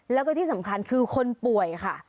แล้วก็ที่สำคัญคือคนป่วยค่ะ